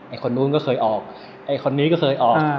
คนนู้นก็เคยออกไอ้คนนี้ก็เคยออก